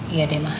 iya deh ma